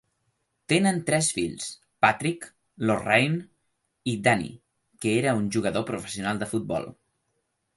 Tenen tres fills, Patrick, Lorraine i Danny, que era jugador professional de futbol.